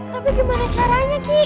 tapi gimana caranya ki